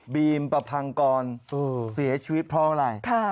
ประพังกรเสียชีวิตเพราะอะไร